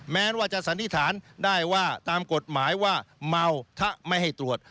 แม้ว่าจะสันนิษฐานได้ว่าตามกฎหมายว่าเมาถ้าไม่ให้ตรวจ